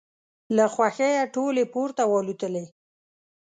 له خوښیه ټولې پورته والوتلې.